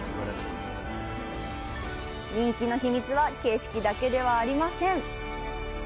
人気の秘密は景色だけではありません。